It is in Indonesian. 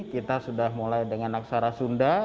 kita sudah mulai dengan aksara sunda